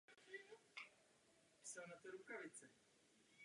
Tento návrh usnesení správně zvlášť zmiňuje solární energii.